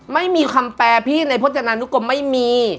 ไม่มีคำแปลพี่ในพจนานุกรมไม่มี